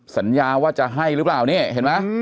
สัญญาว่าจะให้หรือเปล่านี่เห็นไหม